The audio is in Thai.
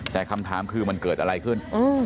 แต่คำถามคือมันเกิดอะไรขึ้น